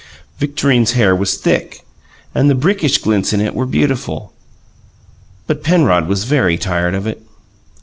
Victorine's hair was thick, and the brickish glints in it were beautiful, but Penrod was very tired of it.